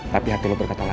tapi hati lo berkata lain